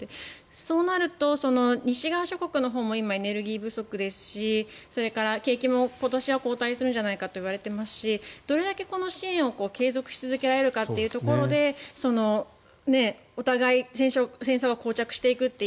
そうなると、西側諸国のほうも今、エネルギー不足ですしそれから景気も今年は後退するんじゃないかといわれていますしどれだけ支援を継続し続けられるかということでお互い、戦争がこう着していくという。